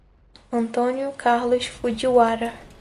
Antônio Carlos Fugiwara